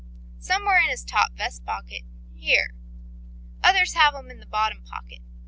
Somewhere in his top vest pocket here. Others have 'em in the bottom pocket.